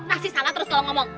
nasi salah terus lo ngomong